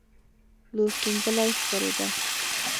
لور ټومبلی ښکارېده.